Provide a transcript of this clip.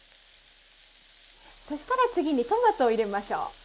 そしたら次にトマトを入れましょう。